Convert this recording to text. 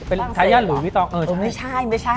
เป็นท้าย่านหรือวิตองไม่ใช่